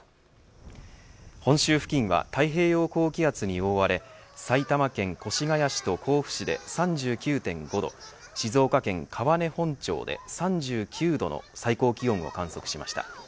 本州付近は太平洋高気圧に覆われ埼玉県越谷市と甲府市で３９．５度静岡県川根本町で３９度の最高気温を観測しました。